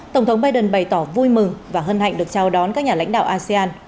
tổng thống biden bày tỏ vui mừng và hân hạnh được chào đón các nhà lãnh đạo asean